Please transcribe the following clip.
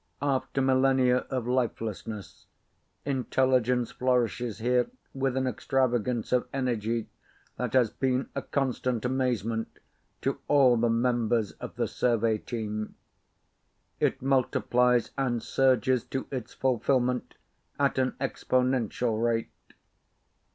After millennia of lifelessness, intelligence flourishes here with an extravagance of energy that has been a constant amazement to all the members of the survey team. It multiplies and surges to its fulfillment at an exponential rate.